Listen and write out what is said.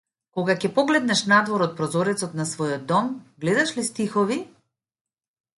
Кога ќе погледнеш надвор од прозорецот на својот дом, гледаш ли стихови?